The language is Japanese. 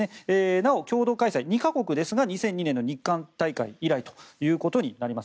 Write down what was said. なお共同開催２か国ですが２００２年の日韓大会以来となります。